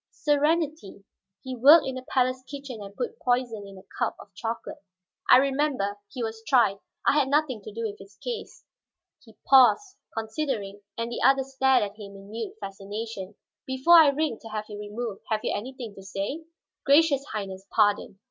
"Serenity, he worked in the palace kitchen and put poison in a cup of chocolate." "I remember. He was tried; I had nothing to do with his case." He paused, considering; and the other stared at him in mute fascination. "Before I ring to have you removed, have you anything to say?" "Gracious Highness, pardon!"